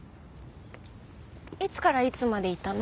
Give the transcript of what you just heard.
いつからいつまでいたの？